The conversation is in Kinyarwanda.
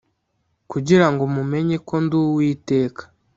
kugira ngo mumenye ko ndi uwiteka